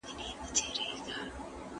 د خاوند غيابت بل سبب دی.